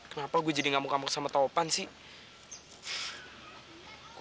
kenapa gue jadi ngamuk ngamuk sama topan sih